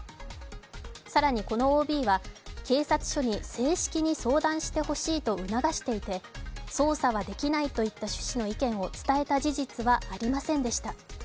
更にこのＯＢは警察署に正式に相談してほしいと促していて捜査はできないといった趣旨の意見を伝えた事実はありませんでした。